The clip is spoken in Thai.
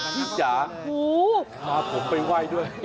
พี่จ๋าพาผมไปไหว้ด้วย